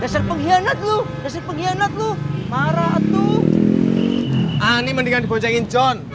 sama dia aja bu